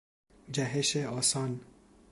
جهش آسان